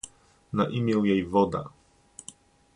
na imię jej woda